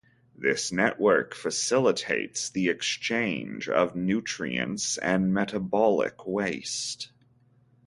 This network facilitates the exchange of nutrients and metabolic waste.